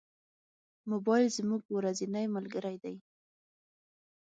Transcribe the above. موبایل زموږ ورځنی ملګری دی.